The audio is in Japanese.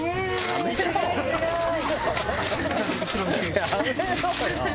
「やめろよ」